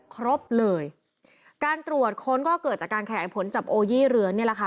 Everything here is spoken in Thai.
ครบเลยการตรวจค้นก็เกิดจากการขยายผลจับโอยี่เรือนนี่แหละค่ะ